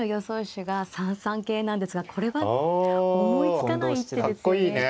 手が３三桂なんですがこれは思いつかない一手ですよね。